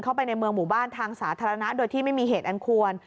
เข้าไปในเมืองหมู่บ้านทางสาธารณะโดยที่ไม่มีเหตุอันควร